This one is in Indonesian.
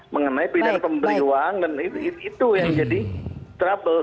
mengenai pilihan pemberi uang dan itu yang jadi trouble